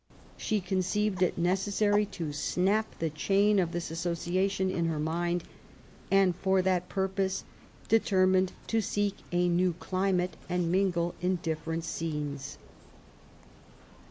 She conceiyed it necessary to snap the chain of this association in her mind ; and, for that purpose, determined to seek a new climate, and mingle in different scenes.